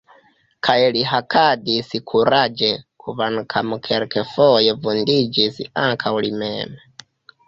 Kaj li hakadis kuraĝe, kvankam kelkfoje vundiĝis ankaŭ li mem.